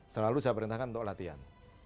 selalu saya perintahkan untuk latihan